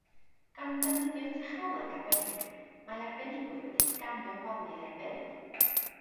Gan ddefnyddio technoleg arbennig, mae arbenigwyr wedi sganio waliau'r bedd